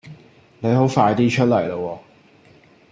你好快啲出嚟啦喎